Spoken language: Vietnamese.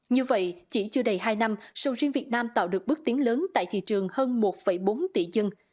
như vậy chỉ chưa đầy hai năm sầu riêng việt nam tạo được bước tiến lớn tại thị trường hơn một bốn tỷ dân